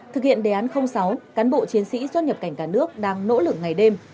thực hiện đề án sáu cán bộ chiến sĩ xuất nhập cảnh cả nước đang nỗ lực ngày đêm